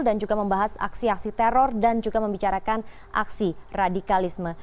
dan juga membahas aksi aksi teror dan juga membicarakan aksi radikalisme